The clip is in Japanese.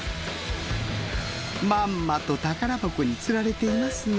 まんまと宝箱に釣られていますね。